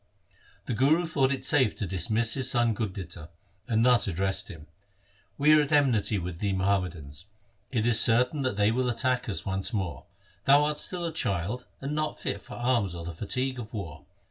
The Guru thought it safe to dismiss his son Gurditta, and thus addressed him :' We are at enmity with the Muhammadans. It is certain that they will attack us once more. Thou art still a child and not fit for arms or the fatigue of war.